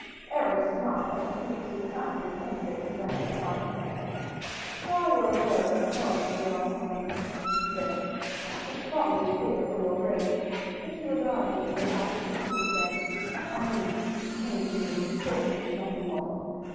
Aramis smiled as he fixed his kind and penetrating glance upon him. "If I were aware of the cause of your happiness," he said, "I should probably fear for your grace; but you regard me in the light of a true friend; I mean, you turn to me in misfortune, nothing more.